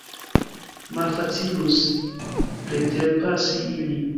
Malfacilus preterpasi ilin.